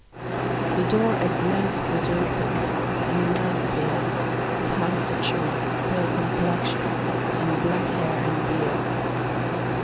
The door at length was opened, and a man appeared, of high stature, pale complexion, and black hair and beard.